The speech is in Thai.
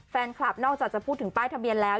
แฟนคลับนอกจากจะพูดถึงป้ายทะเบียนแล้ว